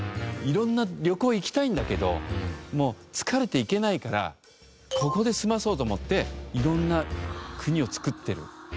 色んな旅行行きたいんだけどもう疲れて行けないからここで済まそうと思って色んな国を作ってる。